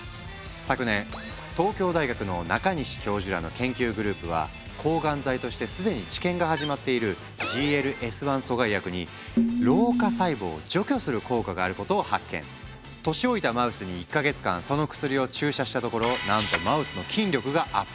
昨年東京大学の中西教授らの研究グループは抗がん剤として既に治験が始まっているＧＬＳ−１阻害薬に年老いたマウスに１か月間その薬を注射したところなんとマウスの筋力がアップ。